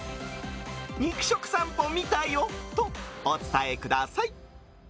肉食さんぽ見たよとお伝えください。